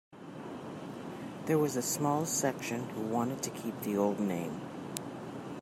There was a small section who wanted to keep the old name.